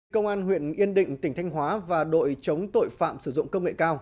công an huyện yên định tỉnh thanh hóa và đội chống tội phạm sử dụng công nghệ cao